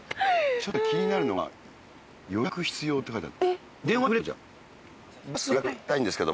ちょっと気になるのが予約必要って書いてあるんだけど。